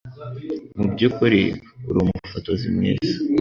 Mubyukuri uri umufotozi mwiza.